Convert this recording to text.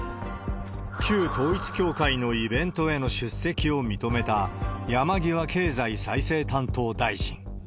旧統一教会のイベントへの出席を認めた山際経済再生担当大臣。